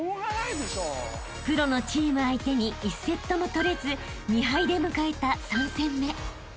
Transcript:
［プロのチーム相手に１セットも取れず２敗で迎えた３戦目］